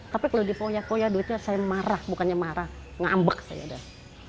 tapi kalau dipoya poya duitnya saya marah bukannya marah ngeambek saya dah